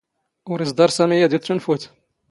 ⵓⵔ ⵉⵥⴹⴰⵕ ⵙⴰⵎⵉ ⴰⴷ ⵉⵜⵜⵓⵏⴼⵓⴷ.